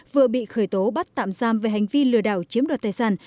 vừa bị khởi tố bắt tạm giam về hành vi lừa đảo chiếm đoạt tài sản